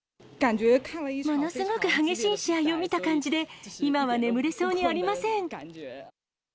ものすごく激しい試合を見た感じで、今は眠れそうにありません。